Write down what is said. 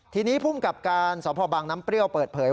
ทีนี้ภูมิกับการสพบังน้ำเปรี้ยวเปิดเผย